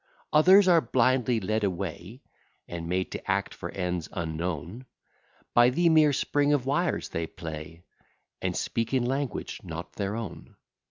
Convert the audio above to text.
Others are blindly led away, And made to act for ends unknown; By the mere spring of wires they play, And speak in language not their own.